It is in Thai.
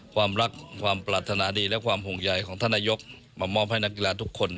ความรักความปรารถนาดีและความห่วงใยของท่านนายกมามอบให้นักกีฬาทุกคน